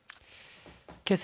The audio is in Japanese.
けさ